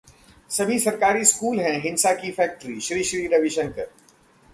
सभी सरकारी स्कूल हैं हिंसा की फैक्ट्री: श्रीश्री रविशंकर